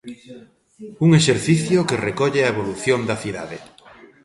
Un exercicio que recolle a evolución da cidade.